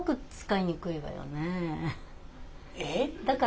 えっ？